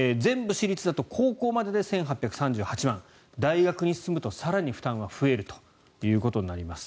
高校までで１８３８万大学に進むと更に負担が増えることになります。